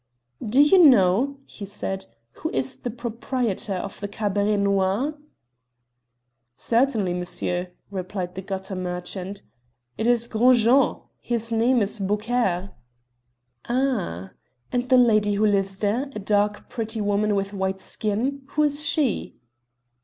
"Do you know," he said, "who is the proprietor of the Cabaret Noir?" "Certainly, monsieur," replied the gutter merchant; "it is Gros Jean. His name is Beaucaire." "Ah! And the lady who lives there, a dark pretty woman with white skin, who is she?"